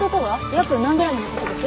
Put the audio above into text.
約何グラムの事です？